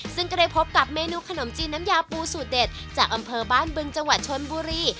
ซึ่งก็ได้พบกับเมนูขนมจีนน้ำยาปูสูตรเด็ดจากอำเภอบ้านบึงจังหวัดชนบุรี